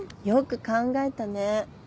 よく考えたね。